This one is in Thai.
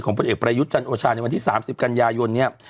พลเอกประยุทธ์จันโอชาในวันที่๓๐กันยายนเนี่ย